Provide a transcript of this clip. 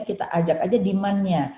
kita ajak aja demandnya